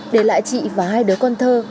để lại chị và hai đứa con thơ